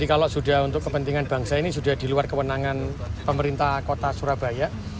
kalau sudah untuk kepentingan bangsa ini sudah di luar kewenangan pemerintah kota surabaya